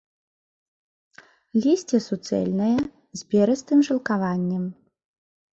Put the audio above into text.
Лісце суцэльнае, з перыстым жылкаваннем.